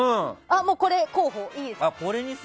これ、候補？いいです？